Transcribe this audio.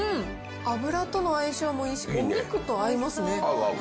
油との相性もいいし、お肉と合いますね。